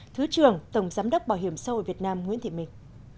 thứ trưởng tổng giám đốc bảo hiểm xã hội việt nam nguyễn thị minh